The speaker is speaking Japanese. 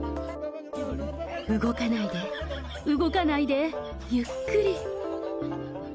動かないで、動かないで、ゆっくり。